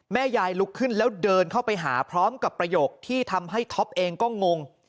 ยายลุกขึ้นแล้วเดินเข้าไปหาพร้อมกับประโยคที่ทำให้ท็อปเองก็งง